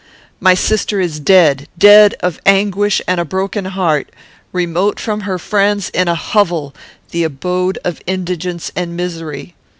"'My sister is dead; dead of anguish and a broken heart. Remote from her friends; in a hovel; the abode of indigence and misery.